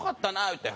言うて。